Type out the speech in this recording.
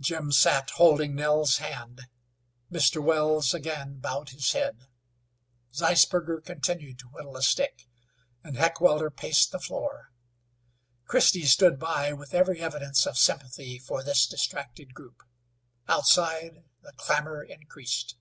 Jim sat holding Nell's hand. Mr. Wells again bowed his head. Zeisberger continued to whittle a stick, and Heckewelder paced the floor. Christy stood by with every evidence of sympathy for this distracted group. Outside the clamor increased.